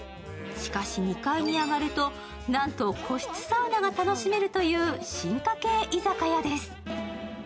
しかし、２階に上がるとなんと個室サウナが楽しめるという進化系居酒屋です。